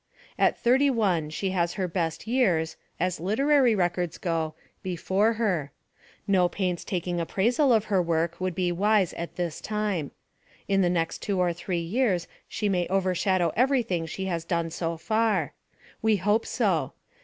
At thirty one she has her best years as literary records go before her. No painstaking ap praisal of her work would be wise at this time. In the next two or three years she may overshadow everything she has done so far. We hope so.